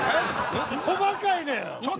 細かいねん！